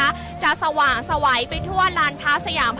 อาจจะออกมาใช้สิทธิ์กันแล้วก็จะอยู่ยาวถึงในข้ามคืนนี้เลยนะคะ